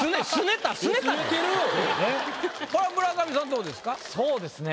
どうですか？